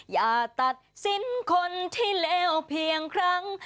อย่าตัดสินคนที่เลวเพียงครั้ง